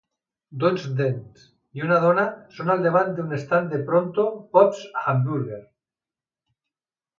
Dos nens i una dona són al davant d'un estand de Pronto Pups Hamburguer.